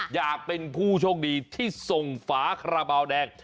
อยากเป็นผู้โชคดีที่ส่งฝาคาราบาลแดง